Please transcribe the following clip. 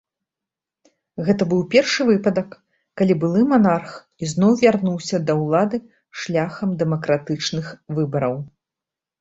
Гэта быў першы выпадак, калі былы манарх ізноў вярнуўся да ўлады шляхам дэмакратычных выбараў.